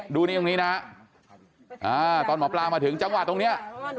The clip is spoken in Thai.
ดูนี่ตรงนี้นะฮะตอนหมอปลามาถึงจังหวะตรงนี้